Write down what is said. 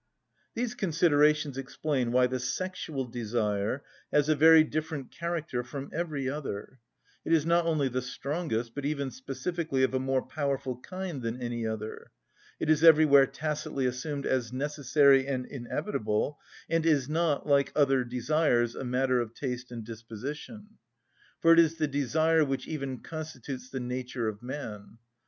These considerations explain why the sexual desire has a very different character from every other; it is not only the strongest, but even specifically of a more powerful kind than any other. It is everywhere tacitly assumed as necessary and inevitable, and is not, like other desires, a matter of taste and disposition. For it is the desire which even constitutes the nature of man.